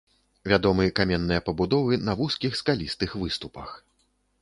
Вядомы каменныя пабудовы на вузкіх скалістых выступах.